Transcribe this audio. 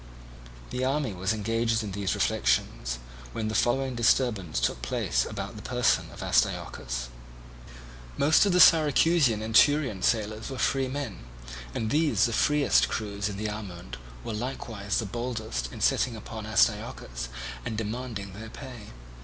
The army was engaged in these reflections, when the following disturbance took place about the person of Astyochus. Most of the Syracusan and Thurian sailors were freemen, and these the freest crews in the armament were likewise the boldest in setting upon Astyochus and demanding their pay.